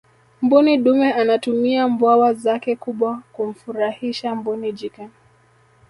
mbuni dume anatumia mbawa zake kubwa kumfurahisha mbuni jike